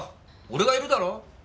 俺がいるだろ？